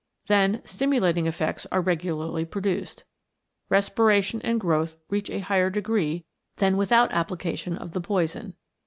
Then stimulating effects are regularly produced. Respiration and growth reach a higher degree than without application of the poison.